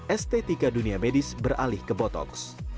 estetika dunia medis beralih ke botoks